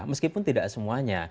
meskipun tidak semuanya